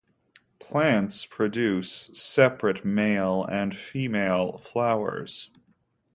Plants produce separate male and female flowers.